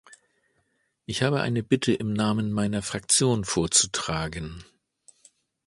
Ich habe eine Bitte im Namen meiner Fraktion vorzutragen.